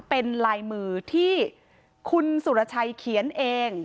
เป็นลายมือที่คุณสุรชัยเขียนเอง